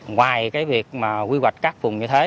ngoài việc quy hoạch các vùng như thế